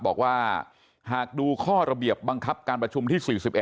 บอกว่าหากดูข้อระเบียบบังคับการประชุมที่๔๑